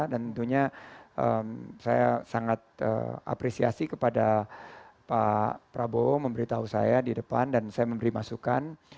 dan tentunya saya sangat apresiasi kepada pak prabowo memberitahu saya di depan dan saya memberi masukan